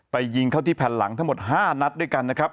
ยิงเข้าที่แผ่นหลังทั้งหมด๕นัดด้วยกันนะครับ